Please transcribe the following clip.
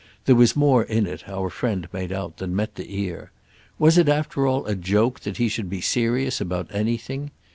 There was more in it, our friend made out, than met the ear. Was it after all a joke that he should be serious about anything?